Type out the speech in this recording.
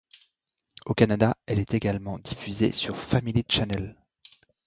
Au Canada, elle est également diffusée sur Family Channel.